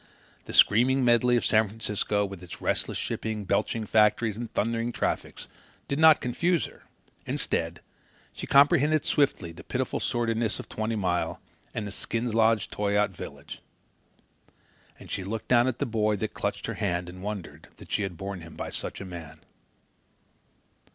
The screaming medley of San Francisco, with its restless shipping, belching factories, and thundering traffic, did not confuse her; instead, she comprehended swiftly the pitiful sordidness of Twenty Mile and the skin lodged Toyaat village. And she looked down at the boy that clutched her hand and wondered that she had borne him by such a man.